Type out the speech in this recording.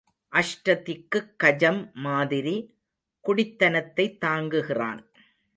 அஷ்டதிக்குக் கஜம் மாதிரி குடித்தனத்தைத் தாங்குகிறான்.